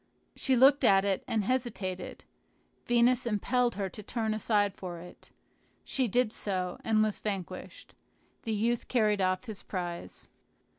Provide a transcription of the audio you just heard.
She looked at it, and hesitated; Venus impelled her to turn aside for it. She did so, and was vanquished. The youth carried off his prize.